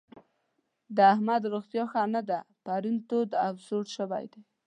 د احمد روغتيا ښه نه ده؛ پرون تود او سوړ شوی دی.